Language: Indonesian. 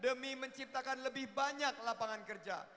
demi menciptakan lebih banyak lapangan kerja